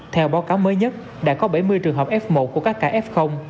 theo báo cáo mới nhất đã có bảy mươi trường hợp f một của các ca f